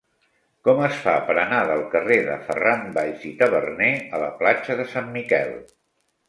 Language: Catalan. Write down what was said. Com es fa per anar del carrer de Ferran Valls i Taberner a la platja de Sant Miquel?